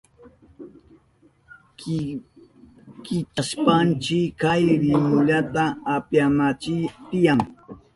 Kichashpanchi kay rimilluta upyananchi tiyan.